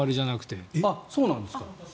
そうなんですか？